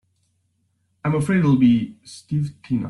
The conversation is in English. I'm afraid it'll be Steve Tina.